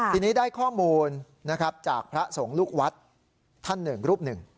ทีนี้ได้ข้อมูลนะครับจากพระสงฆ์ลูกวัดท่านหนึ่งรูปหนึ่ง